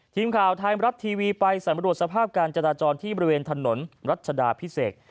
ทีมข่าวไทยมรัฐทีวีไปสำรวจสภาพการจราจรที่บริเวณถนนรัชดาพิเศษ